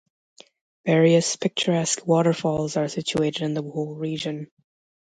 Various piturescque waterfalls are situated in the whole region.